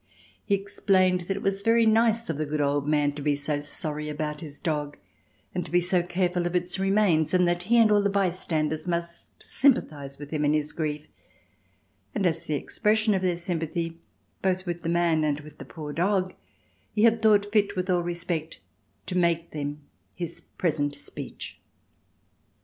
He explained that it was very nice of the good old man to be so sorry about his dog and to be so careful of its remains and that he and all the bystanders must sympathise with him in his grief, and as the expression of their sympathy, both with the man and with the poor dog, he had thought fit, with all respect, to make them his present speech.